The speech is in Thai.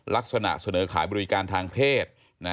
ลักษณะเสนอขายบริการทางเพศ